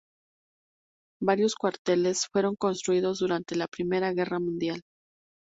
Varios cuarteles fueron construidos durante la Primera Guerra Mundial.